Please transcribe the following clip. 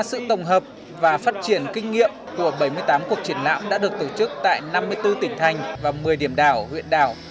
sự tổng hợp và phát triển kinh nghiệm của bảy mươi tám cuộc triển lãm đã được tổ chức tại năm mươi bốn tỉnh thành và một mươi điểm đảo huyện đảo